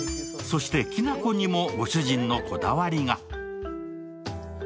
そしてきなこにもご主人のこだわりが。